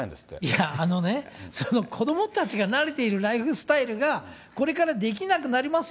いや、あのね、子どもたちが慣れているライフスタイルが、これからできなくなります